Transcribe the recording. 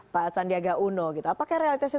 pak sandiaga uno gitu apakah realitasnya